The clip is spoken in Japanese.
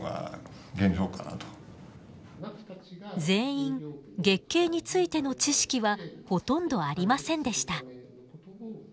全員月経についての知識はほとんどありませんでした。